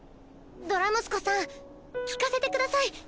ドラムスコさん聞かせて下さい。